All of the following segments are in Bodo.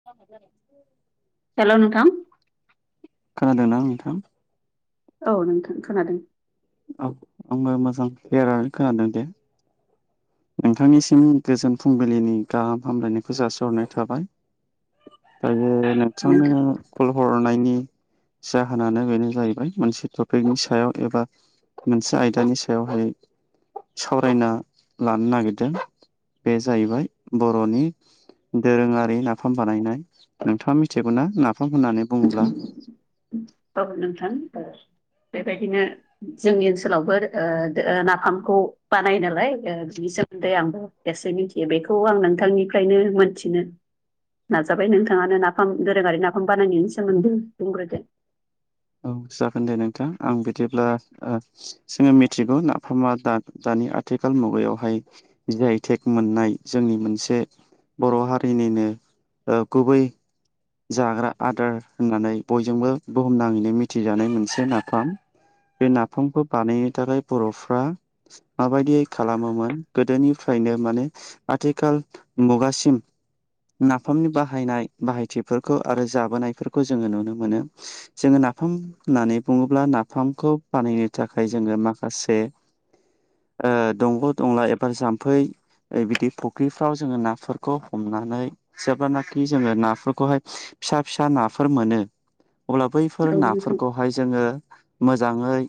[unintelligible] हेल' नोंथां? खोनादोंना नोंथां? औ नोंथां खोनादों। औ आङो मोजां क्लियारानो खोनादों दे। नोंथांनिसिम गोजोन फुंबिलिनि गाहाम हामलायनायखौ जासिहरनाय थाबाय। दायो नोंथां नोंथांनो कल हरनायनि जाहोनानो बेनो जाहैबाय मोनसे टपिकनि सायाव एबा मोनसे आयदानि सायावहाय। सावरायना लानो नागिरदों बे जाहैबाय बर'नि दोरोङारि नाफाम बानायनाय नोंथाङा मिथिगौ ना नाफाम होननानै बुङोब्ला औ नोंथां बेबायदिनो जोंनि ओनसोलावबो ओ ओ नाफामखौ बानायो नालाय ओ बिनि सोमोन्दै आंबो एसे मिथियो बेखौ आं नोंथांनिफ्रायनो मोनथिनो नाजाबाय नोंथाङानो नाफाम दोरोङारि नाफाम बानायनायनि सोमोन्दै बुंग्रोदो। औ जागोन दे नोंथां आं बिदिब्ला ओ जोङो मिथिगौ नाफामा दा-दानि आथिखाल मुगायावहाय। जि आय थेक मोननाय जोंनि मोनसे बर' हारिनिनो ओ गुबै जाग्रा आदार होननानै बयजोंबो बुहुमनाङैनो मिथिजानाय मोनसे नाफाम। बे नाफामखौ बानायनो थाखाय बर'फ्रा माबायदियै खालामोमोन गोदोनिफ्रायनो माने आथिखाल मुगासिम नाफामनि बाहायनाय बाहाय बेफोरखौ आरो जाबोनायफोरखौ जोङो नुनो मोनो। जोङो नाफाम होननानै बुङोब्ला नाफामखौ बानायनो थाखाय जोङो माखासे। ओ दंग' दंला एबा जाम्फै। ओ बिदि फुख्रिफ्राव जोङो नाफोरखौ हमनानै जेब्लानाखि जोङो नाफोरखौहाय। फिसा फिसा नाफोर मोनो अब्ला बैफोर औ नोंथां नाफोरखौ बेवहाय जोङो मोजाङै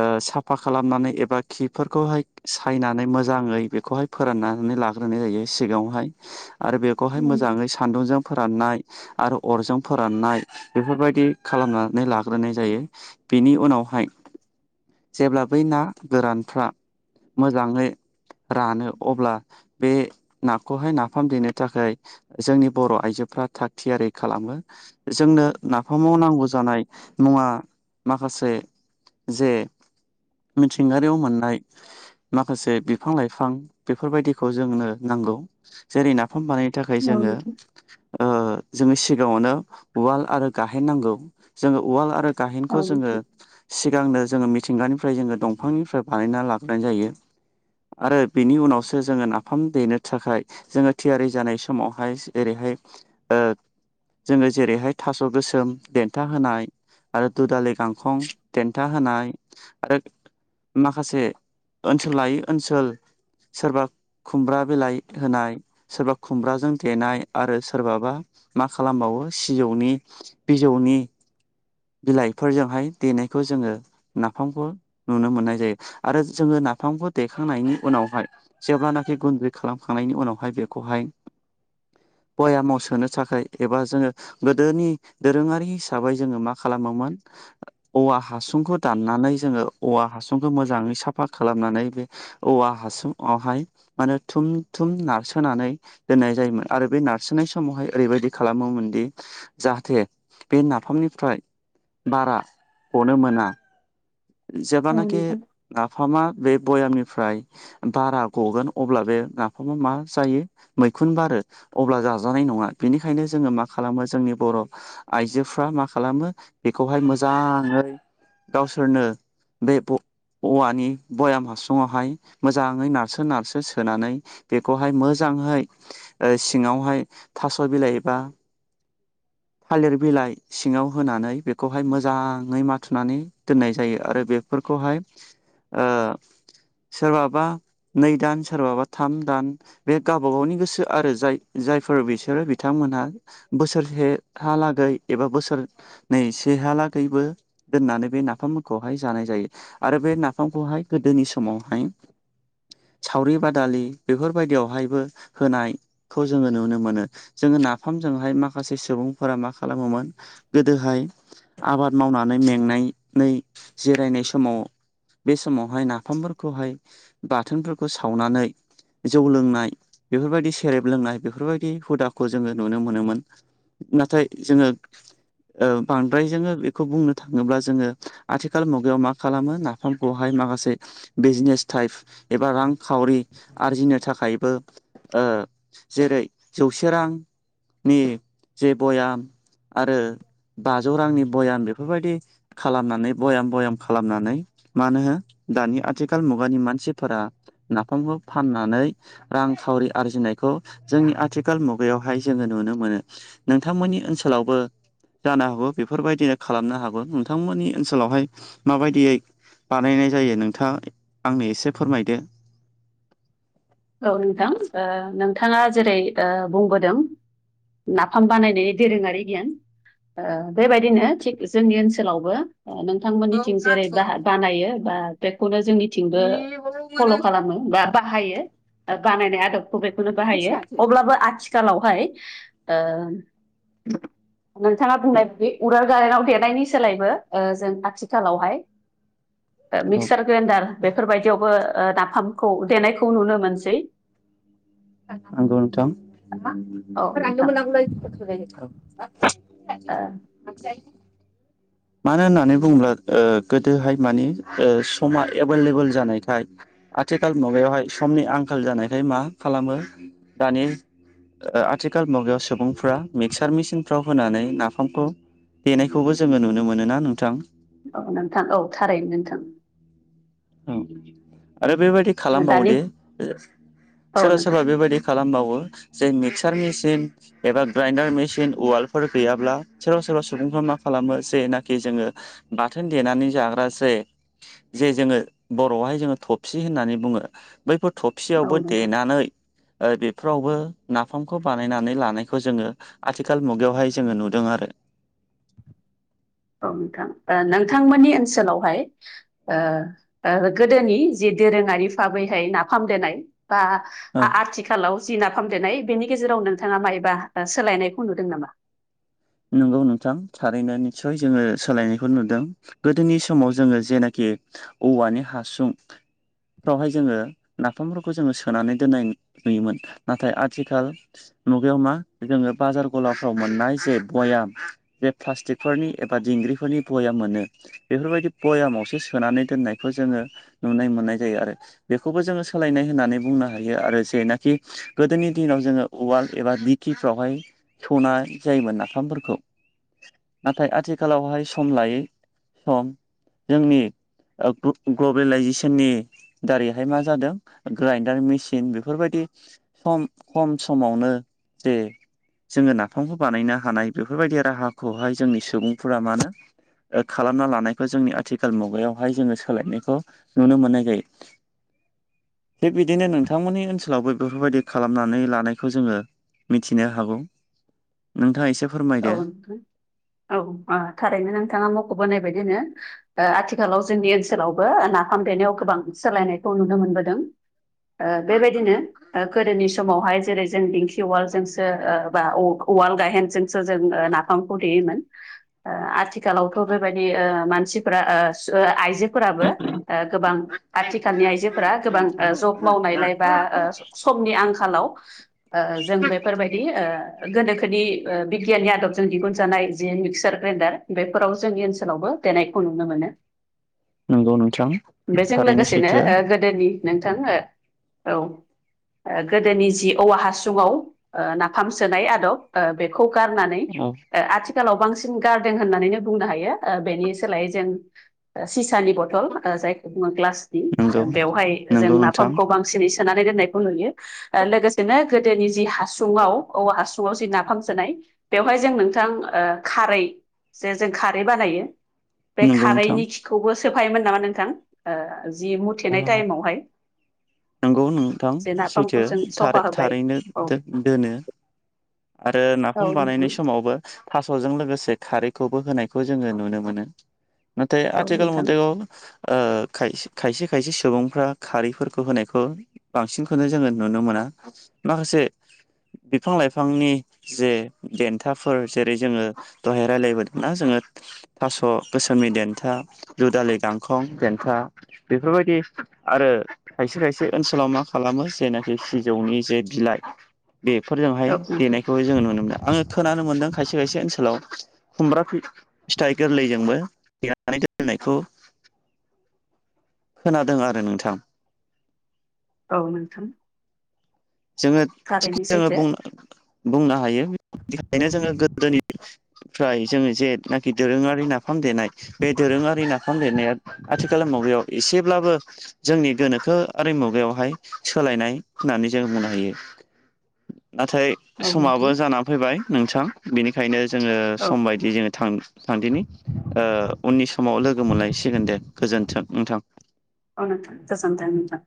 ओ साफा खालामनानै एबा खिफोरखौहाय सायनानै मोजाङै बेखौहाय फोराननानै लाग्रोनाय जायो सिगाङावहाय आरो बेखौहाय औ मोजाङै सान्दुंजों फोराननाय आरो अरजों फोराननाय बेफोरबायदि खालामनानै लाग्रोनाय जायो। बेनि उनावहाय जेब्ला बै ना गोरानफ्रा मोजाङै रानो अब्ला बे नाखौहाय नाफाम देनो थाखाय। जोंनि बर' आइजोफ्रा थाग थियारि खालामो। जोंनो नाफामाव नांगौ जानाय मुवा माखासे। जे मिथिंगारियाव मोननाय। माखासे बिफां लाइफां बेफोरबायदिखौ जोंनो नांगौ जेरै नाफाम बानाय थाखाय जोङो। नोंथां ओ जोङो सिगाङावनो उवाल आरो गाहेन नांगौ जोङो उवाल आरो औ गाहेनखौ नोंथां औ जोङो नोंथां सिगांनो जोङो मिथिंगानिफ्राय जोङो दंफांनिफ्राय बानायना लाबोनाय जायो आरो बेनि उनावसो जोङो नाफाम देनो थाखाय जोङो थियारि जानाय समावहाय जेरैहाय ओ जोङो जेरैहाय थास' गोसोम देन्था होनाय आरो दु दालि गांखं थेन्था होनाय आरो माखासे ओनसोल लायै ओनसोल। सोरबा खुमब्रा बिलाइ होनाय सोरबा खुमब्राजों देनाय आरो सोरबाबा मा खालामबावो सिजौनि बिजौनि बिलाइफोरजोंहाय देनायखौ जोङो नाफामखौ नुनो मोननाय जायो आरो जोङो नाफामखौ देखांनायनि उनावहाय जेब्लानाखि गुन्दै खालामखांनायनि उनावहाय बेखौहाय बयामावसोनो थाखाय एबा जोङो। गोदोनि दोरोङारि हिसाबै जोङो मा खालामोमोन औवा हासुंखौ दाननानै जोङो औवा हासुंखौ मोजाङै साफा खालामनानै बे औवा हासुंआवहाय माने थुम थुम नारसोनानै दोननाय जायोमोन आरो बे नारसो समावहाय ओरैबायदि खालामोमोनदि जाहाथे बे नाफामनिफ्राय बारा अनो मोना। औ जेब्लानाखि नोंथां नाफामा बे बयामनिफ्राय बारा गगोन अब्ला बे नाफामा मा जायो। मैखुन बारो अब्ला जाजानाय नङा बेनिखायनो जोङो मा खालामो जोंनि बर आइजोफ्रा मा खालामो बेखौहाय मोजाङै गावसोरनो बे औवानि बयाम हासुङावहाय मोजाङै नारसो नारसो सोनानै बेखौहाय मोजांहै सिङावहाय थास' बिलाइ बा [inaudible] थालिर बिलाइ सिङाव होनानै बेखौहाय मोजाङै माथुनानै दोननाय जायो। आरो बेफोरखौहाय ओ सोरबाबा नै दान सोरबा बा थाम दान बे गावबा गावनि गोसो आरो जाय जायफोर बिसोरो बिथांमोनहा बोसोर सेहालागै एबा बोसोर नै सेहालागैबो दोननानै बे नाफाम। खौहाय जानाय जायो आरो बे नाफामखौहाय गोदोनि समावहाय सावरि बादालि बेफोरबायदियावहायबो होनाय खौ जोङो नुनो मोनो जोङो नाफामजोंहाय माखासे सुबुंफोरा मा खालामोमोन। गोदोहाय आबाद मावनानै मेंनानै जिरायनाय समाव बे समावहाय नाफामफोरखौहाय बाथोनफोरखौ सावनानै जौ लोंनाय बेफोरबायदि सेरेब लोंनाय बेफोरबायदि हुदाखौ जोङो नुनो मोनोमोन। नाथाय जोङो ओ बांद्राय जोङो बेखौ बुंनो थाङोब्ला जोङो। आथिखाल मुगायाव मा खालामो नाफामखौहाय माखासे बिजनेस टाइप। एबा रांखावरि आरजिनो थाखायबो। जेरै जौसे रांनि जे बयाम। आरो बाजौ रांनि बयाम बेफोरबायदि खालामनानै। भबयाम बयाम खालामनानै मानो होन दानि आथिखाल मुगानि मानसिफोरा नाफामखौ फाननानै। रांखावरि आरजिनायखौ जोंनि आथिखाल मुगायावहाय जोङो नुनो मोनो। नोंथांमोननि ओनसोलावबो जानो हागौ बेफोरबायदिनो खालामनो हागौ नोंथांमोननि ओनसोल स्कुलावहाय माबायदियै बानायनाय जायो नोंथाङा आंनो एसे फोरमायदो। औ नोंथां ओ नोंथाङा जेरै बुंबोदों। नाफाम बानायनायनि दोरोङारि गियान। बेबायदिनो थिग जोंनि ओनसोलावबो नोंथांमोननिथिं जेरै बानायो बा बेखौनो जोंनि थिंबो फल' खालामो बा बाहायो बानायनाय आदबखौ बेखौनो बाहायो अब्लाबो आथिखालाव। आथिखालावहाय ओ नोंथाङा बुंनायबादि उवाल गायहेनाव देनायनि सोलायबो जों आथिखालावहाय औ मिक्सार ग्रेन्डार बेफोरबायदियावबो नाफामखौ देनायखौ नुनो मोनसै। सै औ नोंथां ओ, [unintelligible] [unintelligible] मानो होननानै बुङोब्ला ओ गोदोहाय मानि ओ समा एभलेबल जानायखाय आथिखाल मुगायावहाय समनि आंखाल जानायखाय मा खालामो दानि आथिखाल मुगायाव सुबुंफ्रा मिक्सार मेचिनफ्राव होनानै नाफामखौ देनायखौबो जोङो नुनो मोनो ना नोंथां। औ नोंथां औ थारैनो नोंथां। औ आरो बेबायदि ओ, दानि खालामबावोदि औ सोरबा नोंथां सोरबा बेबायदि खालामबावो जे मिक्सार मेसिन एबा ग्राइनडार मेसिन उवालफोर गैयाब्ला सोरबा सोरबा सुबुंफ्रा मा खालामो जेनाखि जोङो बाथोन देनानै जाग्रासो जे जोङो बर'आवहाय जोङो थबसि होननानै बुङो बैफोर थफसियावबो औ नोंथां देनानै ओ बेफोरावबो नाफामखौ बानायनानै लानायखौ जोङो आथिखाल मुगायावहाय जोङो नुदों आरो औ नोंथां नोंथांमोननि ओनसोलावहाय ओ ओ गोदोनि जि दोरोङारि बाहाबैहाय नाफाम देनाय बा औ आथिखालाव जि नाफाम देनाय बेनि गेजेराव नोंथाङा मायोबा सोलायनायखौ नुदों नामा नंगौ नोंथां थारैनो निस्सय जोङो सोलायनायखौ नुदों गोदोनि समाव जोङो जेनाखि औवानि हासुं फोरावहाय जोङो नाफामफोरखौ जोङो सोनानै दोन्नाय नुयोमोन नाथाय आथिखाल मुगायाव मा जोङो बाजार गलाफ्राव मोननाय जे भयाम बे प्लास्टिकफोरनि एबा दिंग्रिफोरनि भयाम मोनो। बेफोरबायदि भयामावसो सोनानै दोननायखौ जोङो नुनो मोननाय जायो आरो। बेखौबो जोङो सोलायनाय होननानै बुंनो हायो आरो जेनाखि गोदोनि दिनाव जोङो उवाल एबा दिंखि फोरावहाय सौनाय जायोमोन नाफामफोरखौ नाथाय आथिखालावहाय सम लायै सम जोंनि ग्लबेलाइजेसननि दारैहाय मा जादों ग्राइनडार मेसिन बेफोरबायदि सम खम समावनो जे जोङो नाफामखौ बानायनो हानाय बेफोरबायदि राहाखौहाय जोंनि सुबुंफोरा मानो खालामना लानायखौ जोंनि आथिखाल मुगायावहाय जोङो सोलायनायखौ नुनो मोननाय जायो। थिग बिदिनो नोंथांमोननि ओनसोलावबो बेफोरबायदि खालामनानै लानायखौ जोङो मिथिनो हागौ नोंथाङा एसे औ फोरमायदो नोंथां औ थारैनो नोंथाङा मख'बोनाय बायदिनो ओ आथिखालाव जोंनि ओनसोलावबो नाफाम देनायाव गोबां सोलायनायखौ नुनो मोनबोदों ओ बेबायदिनो गोदोनि समावहाय जेरै ज जों दिंखि उवालजोंसो बा उवाल गायेनजोंसो जों नाफामखौ देयोमोन। ओ आथिखालावथ' बेबायदि ओ मानसिफोरा आइजोफोराबो गोबां आथिखालनि आइजोफोरा गोबां जब मावनायलाय बा समनि आंखालाव जों बेफोरबायदि गोनोखोनि बिगियाननि आदबजों दिहुनजानाय जिे मिक्सार ग्राइन्डार बेफोराव जोंनि ओनसोलावबो देनायखौ नुनो मोनो। नंगौ नोंथां बेजों थारैनो लोगोसेनो सैथो गो दोनि नोंथां ओ औ। गोदोनि जि औवा हासुङाव ओ नाफाम सोनाय आदब बेखौ गारनानै औ। आथिखालाव बांसिन गारदों होननानैनो बुंनो हायो बेनि सोलायै जों सिसानि बथल जायखौ बुङो ग्लासनि नंगौ बेवहाय जों नंगौ नोंथां नाफामखौ बांसिन सिनि सोनानै दोननायखौ नुयो। लोगोसेनो गोदोनि जि हासुङाव औवा हासुुङाव जि नाफाम बेवहाय जों नोंथां ओ खारै जे जों खारै बानायो बे नंगौ नोंथां खारैनि खिखौबो सोफायोमोन नामा नोंथां जि मुथेनाय टाइमावहाय? नोंगौ नोंथां जे नाफामखौ सैथोै जों सफा होबाय थारै-थारैनो औ दो-दोनो। आरो औ नाफाम नोंथां बानायनाय समावबो थास'जों लोगोसे खारैखौबो होनायखौ जोङो नुनो मोनो। नाथाय औ आथिखाल नोंथां मुगायाव ओ खाय-खायसे खायसे सुबुंफ्रा खारैफोरखौ होनायखौ बांसिनखौनो जोङो नुनो मोना माखासे बिफां लाइफां बिफांनि जे देथाफोर जेरै जोङो दहाय रायलायबोदोंना जोङो थास' गोसोमनि देन्था दुदालि गांखं देन्था बेफोरबायदि आरो खायसे खायसे ओनसोलाव मा खालामो जेनाखि सिजौनि जे बिलाइ बेफोरजोंहाय औ नोंथां बेहाय जोङो नुनो मोनदों आङो खोनानो मोनदों खायसे खायसे ओनसोलाव खुमब्रा फिथाइ गोरलैजोंबो देरनानै दोननायखौ खोनादों आरो नोंथां। औ नोंथां। जोङो थिग थारैनो जोङो सैथो बुंनो हायो बेनि थाखायनो जोङो गोदोनि फ्राय जोङो जेनाखि दोरोङारि नाफाम देनाय बे दोरोङारि नाफाम देनाया आथिखाल मुगायाव एसेब्लाबो जोंनि गोनोखो आरि मुगायावहाय सोलायनाय होननानै जों बुंनो हायो नाथाय औ समाबो नोंथां जानानै फैबाय नोंथां। बिनिखायनो जोङो औ सम बायदि जोङो थां थांदिनि ओ उननि समाव लोगो मोनलायसिगोन दे गोजोन्थों नोंथां। अह नोंथां गोजोनथों नोंथां।